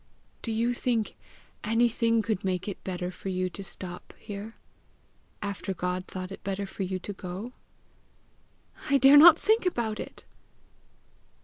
"Do you think anything could make it better for you to stop here, after God thought it better for you to go?" "I dare not think about it."